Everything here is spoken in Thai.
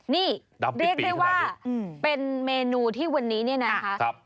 นี่เรียกได้ว่าเป็นเมนูที่วันนี้เนี่ยนะคะ